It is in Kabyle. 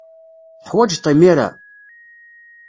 Teḥwajeḍ-t imir-a?